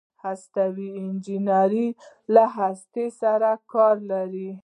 هستوي انجنیری له هستو سره کار لري.